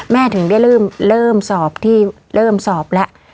แม่ถึงเริ่มสอบแล้ว